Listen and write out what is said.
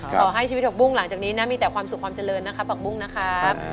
ขอให้ชีวิตผักบุ้งหลังจากนี้นะมีแต่ความสุขความเจริญนะครับผักบุ้งนะครับ